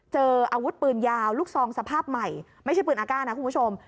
เจออาวุธปืนยาวลูกซองสภาพใหม่ไม่ใช่ปืนอากาศนะคุณผู้ชม